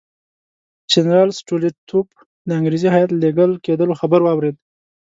جنرال سټولیتوف د انګریزي هیات لېږل کېدلو خبر واورېد.